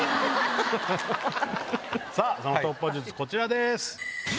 さぁその突破術こちらです。